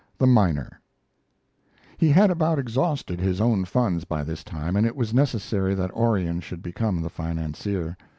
THE MINER He had about exhausted his own funds by this time, and it was necessary that Orion should become the financier.